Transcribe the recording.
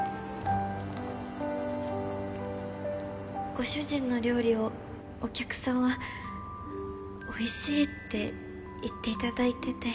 ご主人の料理をお客さんはおいしいって言っていただいてて